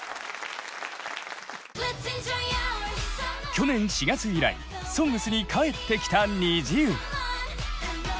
去年４月以来「ＳＯＮＧＳ」に帰ってきたＮｉｚｉＵ。